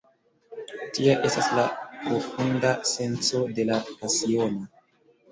Tia estas la profunda senco de la pasiono.